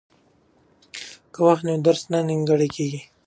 که وخت وي نو درس نه نیمګړی کیږي.